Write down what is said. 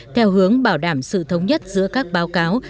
theo hướng bảo đảm sự thống nhất giữa các báo cáo